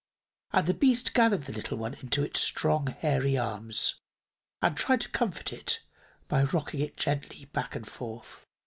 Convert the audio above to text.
And the beast gathered the little one into its strong, hairy arms and tried to comfort it by rocking it gently back and forth.